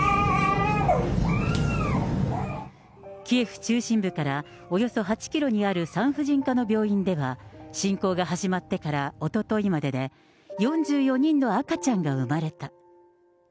キエフ中心部からおよそ８キロにある産婦人科の病院では、侵攻が始まってからおとといまでで、４４人の赤ちゃんが産まれた。